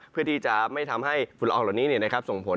เพื่อที่จะไม่ทำให้ฝุ่นละอองเหล่านี้ส่งผล